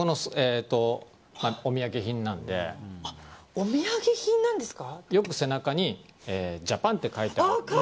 お土産品なんですか？